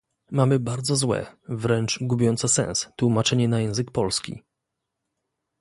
mamy bardzo złe, wręcz gubiące sens, tłumaczenie na język polski